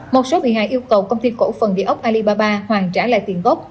một số bị hại yêu cầu công ty cổ phần địa ốc alibaba hoàn trả lại tiền gốc